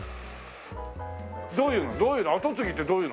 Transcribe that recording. どういうの？